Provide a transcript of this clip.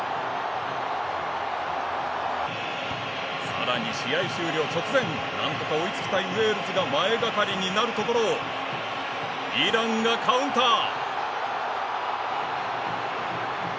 さらに、試合終了直前なんとか追いつきたいウェールズが前がかりになるところをイランがカウンター。